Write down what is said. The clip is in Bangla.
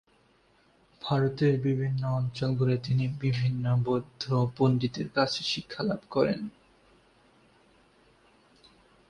ভারতের বিভিন্ন অঞ্চল ঘুরে তিনি বিভিন্ন বৌদ্ধ পন্ডিতদের কাছে শিক্ষালাভ করেন।